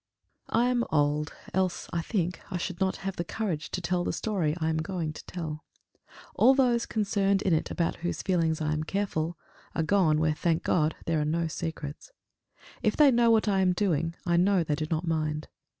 I am old, else, I think, I should not have the courage to tell the story I am going to tell. All those concerned in it about whose feelings I am careful, are gone where, thank God, there are no secrets! If they know what I am doing, I know they do not mind.